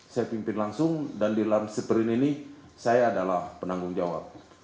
saya pimpin langsung dan di dalam seperin ini saya adalah penanggung jawab